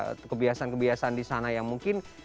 atau kebiasaan kebiasaan di sana yang mungkin